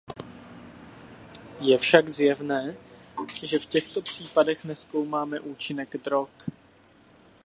Je však zjevné, že v těchto případech nezkoumáme účinek drog.